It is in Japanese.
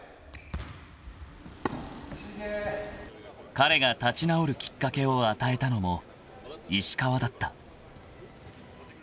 ［彼が立ち直るきっかけを与えたのも石川だった］